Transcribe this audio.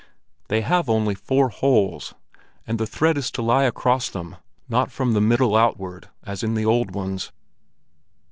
They have only four holes, and the thread is to lie across them, not from the middle outward, as in the old ones.